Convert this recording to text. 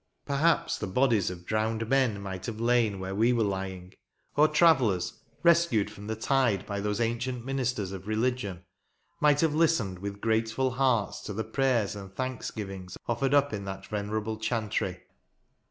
Perhaps the bodies of drowned men might have lain where we were lying; or travellers rescued from the tide by those ancient ministers of religion might have listened with grateful hearts to the prayers and thanksgivings offered up in that venerable chantry.